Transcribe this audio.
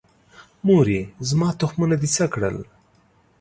مورې، زما تخمونه دې څه کړل؟